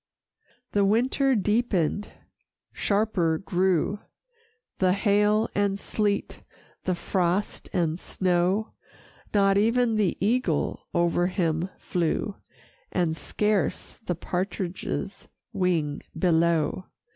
VI The winter deepened, sharper grew The hail and sleet, the frost and snow, Not e'en the eagle o'er him flew, And scarce the partridge's wing below.